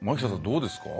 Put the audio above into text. どうですか。